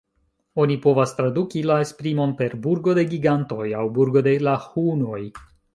Oni povas traduki la esprimon per "burgo de gigantoj" aŭ "burgo de la hunoj".